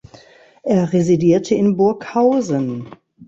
Er residierte in Burghausen.